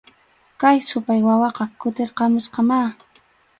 Kay supay wawaqa kutirqamusqamá